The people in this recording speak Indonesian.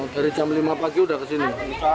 dari jam lima pagi sudah ke sini